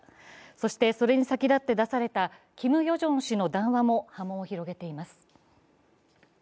そして、それに先立って出されたキム・ヨジョン氏の談話も波紋を広げています。